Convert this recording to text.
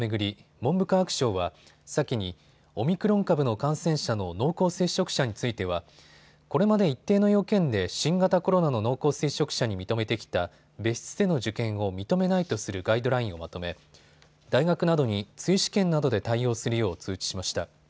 文部科学省は先にオミクロン株の感染者の濃厚接触者についてはこれまで一定の要件で新型コロナの濃厚接触者に認めてきた別室での受験を認めないとするガイドラインをまとめ大学などに追試験などで対応するよう通知しました。